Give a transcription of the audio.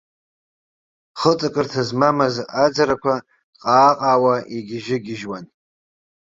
Хыҵакырҭа змамыз аӡарақәа ҟаа-ҟаауа игьежьы-гьежьуан.